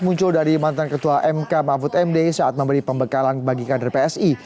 sudah dimantan ketua mk mahfud md saat memberi pembekalan bagi kader psi